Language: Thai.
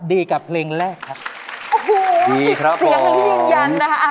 ดีกับเพลงแรกครับโอ้โหเสียงอย่างที่ยืนยันนะคะ